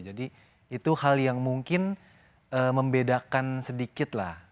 jadi itu hal yang mungkin membedakan sedikit lah